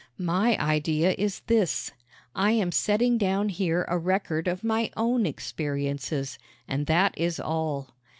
My idea is this: I am setting down here a record of my own experiences, and that is all.